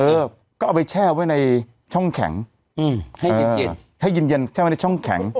เออก็เอาไปแช่ไว้ในช่องแข็งให้เย็นให้เย็นเย็นแช่ไว้ในช่องแข็ง